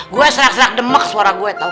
gue serak serak demek suara gue tau gak